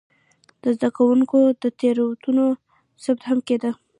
د زده کوونکو د تېروتنو ثبت هم کېده.